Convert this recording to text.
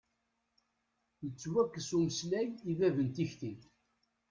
Yettwakkes umeslay i bab n tikti.